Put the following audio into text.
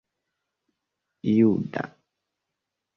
juda